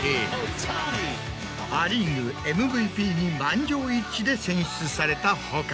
ア・リーグＭＶＰに満場一致で選出された他